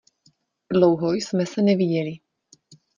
Dlouho jsme se neviděli.